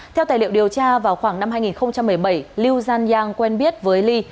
theo tài liệu điều tra vào khoảng năm hai nghìn một mươi bảy liu zhanyang quen biết với li